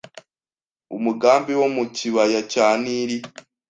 Umugambi wo mu kibaya cya Nili